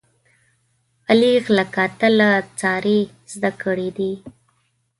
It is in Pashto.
علي غله کاته له سارې زده کړي دي.